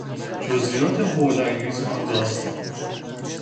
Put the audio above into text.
جزئیات هول انگیز آن داستان